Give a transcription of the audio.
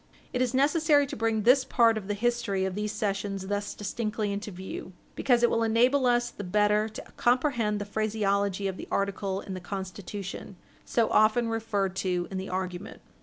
It is necessary to bring this part of the history of these cessions thus distinctly into view because it will enable us the better to comprehend the phraseology of the article in the Constitution so often referred to in the argument.